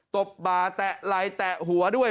ตบบาแตะลายแตะหัวด้วย